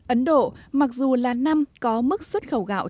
ấn độ mặc dù là năm có mức xuất khẩu gạo